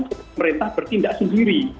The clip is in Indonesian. pemerintah bertindak sendiri